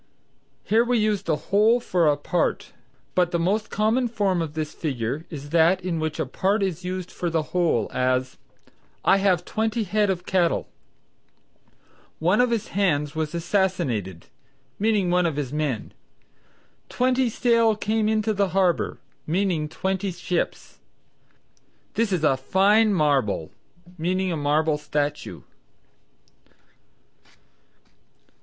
Here we use the whole for a part. But the most common form of this figure is that in which a part is used for the whole; as, "I have twenty head of cattle," "One of his hands was assassinated," meaning one of his men. "Twenty sail came into the harbor," meaning twenty ships. "This is a fine marble," meaning a marble statue.